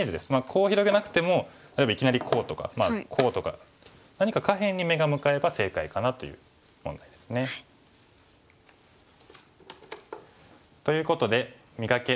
こう広げなくても例えばいきなりこうとかこうとか何か下辺に目が向かえば正解かなという問題ですね。ということで「磨け！